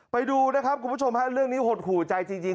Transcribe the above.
ไปดูนะครับคุณผู้ชมฮะเรื่องนี้หดหู่ใจจริง